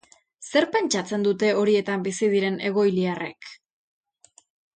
Zer pentsatzen dute horietan bizi diren egoiliarrek?